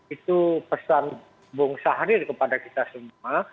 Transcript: itu pesan bung sahrir kepada kita semua